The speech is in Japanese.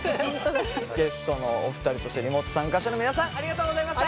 ゲストのお二人そしてリモート参加者の皆さんありがとうございました！